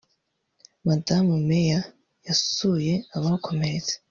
Madamu May yasuye abakomeretse